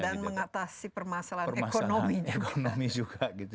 dan mengatasi permasalahan ekonomi juga